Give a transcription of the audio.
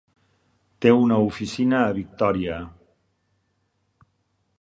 Té una oficina a Victoria.